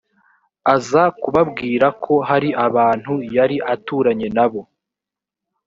aza kubabwira ko hari abantu yari aturanye na bo